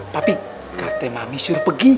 tapi kata mami suruh pergi